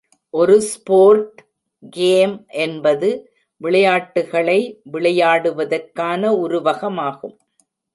ஒரு sport game என்பது விளையாட்டுகளை விளையாடுவதற்கான உருவகமாகும்.